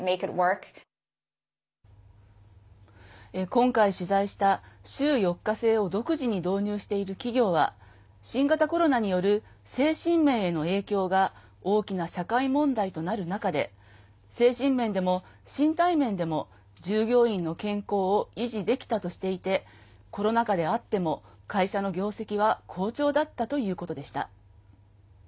今回取材した週４日制を独自に導入している企業は新型コロナによる精神面への影響が大きな社会問題となる中で精神面でも身体面でも従業員の健康を維持できたとしていてコロナ禍であっても会社の業績は好調だったということでした。